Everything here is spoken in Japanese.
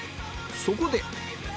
そこで